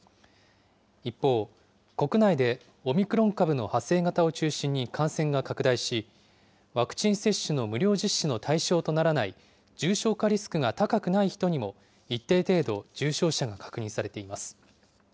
一方、国内でオミクロン株の派生型を中心に感染が拡大し、ワクチン接種の無料実施の対象とならない重症化リスクが高くない人にも、一定程度、重症者が確認されています。